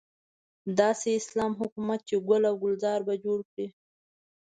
داسې اسلامي حکومت چې ګل او ګلزار به جوړ کړي.